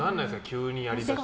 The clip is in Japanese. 急にやりだして。